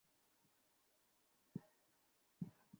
এটাকে বলে blind spot hub.